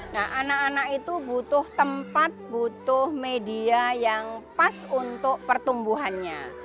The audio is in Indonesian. nah anak anak itu butuh tempat butuh media yang pas untuk pertumbuhannya